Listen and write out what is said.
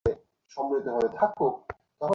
কতজন লোককে সামলাতে পারবি?